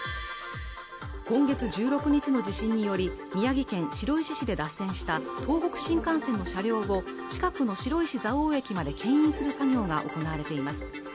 今月１６日の地震により宮城県白石市で脱線した東北新幹線の車両を近くの白石蔵王駅まで牽引する作業が行われています